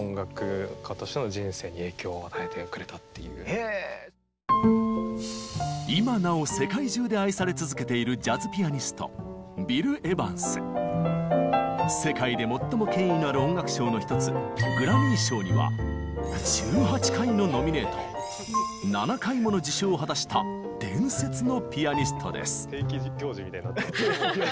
そのいきなり今なお世界中で愛され続けているジャズピアニスト世界で最も権威のある音楽賞の一つグラミー賞には１８回のノミネート７回もの受賞を果たした伝説のピアニストです。